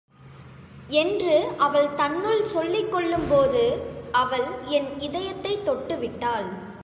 என்று அவள் தன்னுள் சொல்லிக்கொள்ளும்போது, அவள் என் இதயத்தைத் தொட்டுவிட்டாள்.